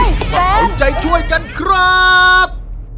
มาต้องใจช่วยกันครับ